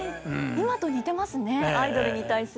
今と似てますねアイドルに対する。